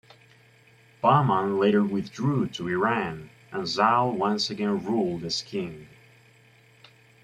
Bahman later withdrew to Iran, and Zal once again ruled as king.